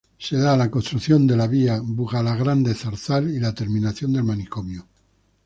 Se da la construcción de la vía Bugalagrande-Zarzal y la terminación del manicomio.